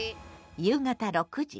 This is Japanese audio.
夕方６時。